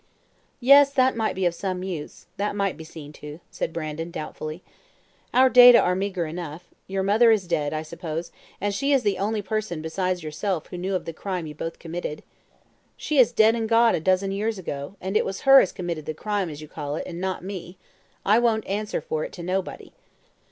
"Yes, that might be of some use; that might be seen to," said Brandon, doubtfully. "Our data are meagre enough. Your mother is dead, I suppose, and she is the only person besides yourself who knew of the crime you both committed." "She is dead and gone a dozen years ago, and it was her as committed the crime, as you call it, and not me. I won't answer for it to nobody."